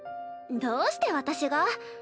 どうして私が？